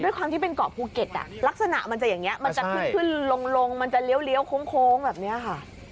สามที่เป็นก่อฟูเก็ตลักษณะมันจะอย่างนี้มันจะขึ้นลงมันจะเหลี้ยวโค้งแบบนี้ค่ะ